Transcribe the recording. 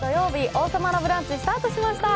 「王様のブランチ」スタートしました。